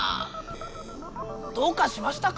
どうかしましたか？